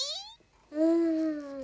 うん。